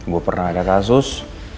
gue pernah ada kasus